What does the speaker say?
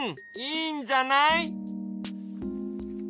いいんじゃない？